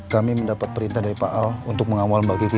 kami mendapat perintah dari pak al untuk mengawasi kejadian ini